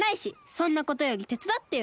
そんなことよりてつだってよ！